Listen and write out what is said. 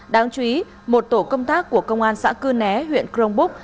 đáng chú ý một tổ công tác của công an xã cư né huyện crong búc